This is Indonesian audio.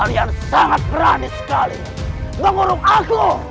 kalian sangat berani sekali mengurung aku